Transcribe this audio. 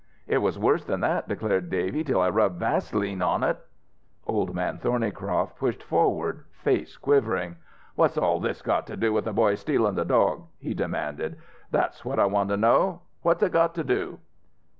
"It was worse than that," declared Davy, "till I rubbed vase leen on it." Old Man Thornycroft pushed forward, face quivering. "What's all this got to do with the boy stealin' the dog?" he demanded. "That's what I want to know what's it got to do?"